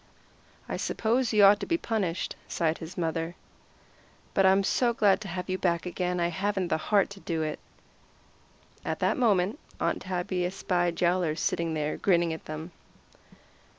"I suppose you ought to be punished," sighed his mother, "but I'm so glad to have you back again I haven't the heart to do it." At that moment Aunt Tabby espied Yowler sitting there grinning at them.